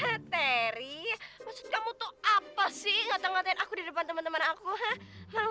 hah terry maksud kamu tuh apa sih ngata ngatain aku di depan temen temen aku hah